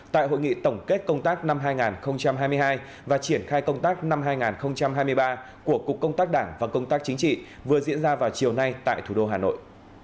tại hội nghị tổng kết công tác năm hai nghìn hai mươi hai và triển khai công tác năm hai nghìn hai mươi ba của cục công tác đảng và công tác chính trị vừa diễn ra vào chiều nay tại thủ đô hà nội